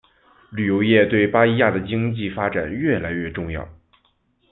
旅游业对巴伊亚的经济发展越来越重要。